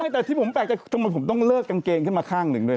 แต่ที่ผมแปลกใจทำไมผมต้องเลิกกางเกงขึ้นมาข้างหนึ่งด้วย